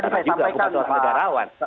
pebicaraan juga kepada para negarawan